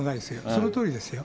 そのとおりですよ。